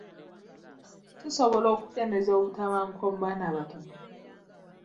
Tusobola okukeendeza obutabanguko mu baana abato?